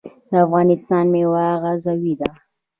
د افغانستان میوه عضوي ده